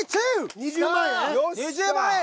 ２０万円。